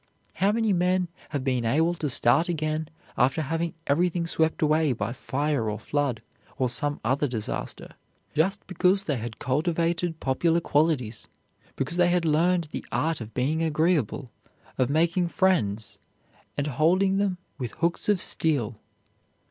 How many men have been able to start again after having everything swept away by fire or flood, or some other disaster, just because they had cultivated popular qualities, because they had learned the art of being agreeable, of making friends and holding them with hooks of steel!